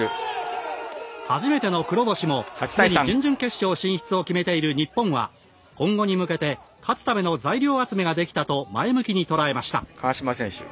初めての黒星もすでに準々決勝進出を決めている日本は今後に向けて勝つための材料集めができたと前向きに捉えました。